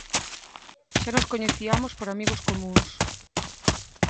Xa nos coñeciamos por amigos comúns.